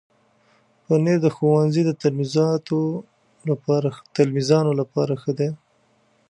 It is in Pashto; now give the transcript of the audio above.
پنېر د ښوونځي د تلمیذانو لپاره ښه ده.